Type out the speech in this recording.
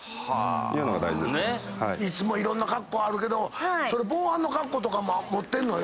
いつもいろんな格好あるけど防犯の格好とかも持ってるの？